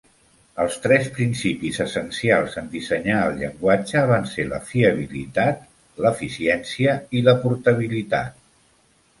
Els tres principis essencials en dissenyar el llenguatge van ser la fiabilitat, l'eficiència i la portabilitat.